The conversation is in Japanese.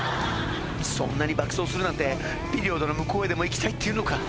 そんなに爆走するなんてピリオドの向こうへでも行きたいっていうのか？